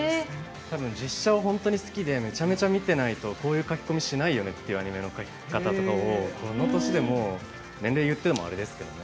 多分実写を本当に好きでめちゃめちゃ見てないとこういう描きこみしないよねっていうアニメの描き方とかをこの年でもう年齢いってもあれですけどね